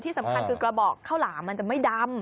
สำคัญคือกระบอกข้าวหลามมันจะไม่ดำ